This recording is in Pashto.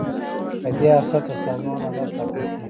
په دې اساس د سازمان اهداف ټاکل کیږي.